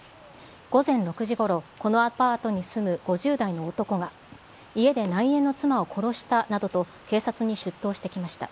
午前６時ごろ、このアパートに住む５０代の男が、家で内縁の妻を殺したなどと、警察に出頭してきました。